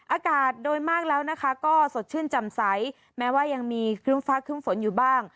อากาศโดยมากแล้วนะคะก็สดชื่นจำใสแม้ว่ายังมีครึ่มฟ้าครึ่มฝนอยู่บ้าง